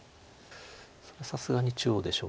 さあさすがに中央でしょう。